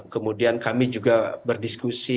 kemudian kami juga berdiskusi